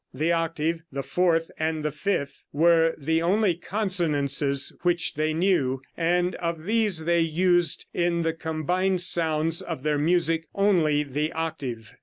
The octave, the fourth and the fifth, were the only consonances which they knew, and of these they used in the combined sounds of their music only the octave.